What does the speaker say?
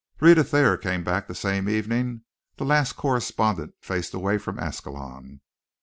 Rhetta Thayer came back the same evening the last correspondent faced away from Ascalon.